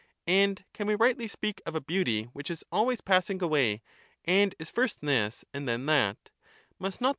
And Can we rightly speak of a beauty which is always Socrates, passing away, and is first this and then that ; must not the Cratylus.